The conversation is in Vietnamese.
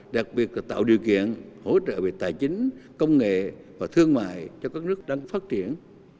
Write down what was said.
đặc biệt là tạo điều kiện hỗ trợ về tài chính công nghệ và thương mại cho các nước đang phát triển